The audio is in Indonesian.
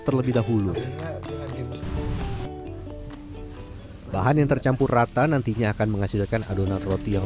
terlebih dahulu bahan yang tercampur rata nantinya akan menghasilkan adonan roti yang